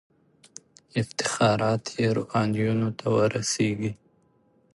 افتخارات یې روحانیونو ته ورسیږي.